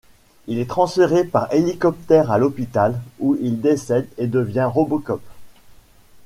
Il est transféré par hélicoptère à l'hôpital où il décède et devient RoboCop.